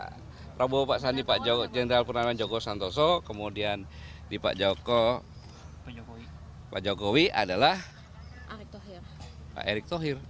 di prabowo pak sandi pak joko jenderal pernama joko santoso kemudian di pak joko pak jokowi adalah pak erik tohir